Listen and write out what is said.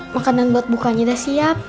makanan buat bukanya udah siap